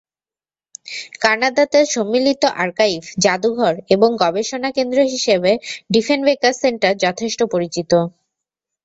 কানাডাতে সম্মিলিত আর্কাইভ, জাদুঘর এবং গবেষণা কেন্দ্র হিসেবে ডিফেনবেকার সেন্টার যথেষ্ট পরিচিত।